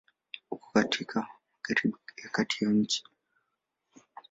Uko katika Magharibi ya Kati ya nchi.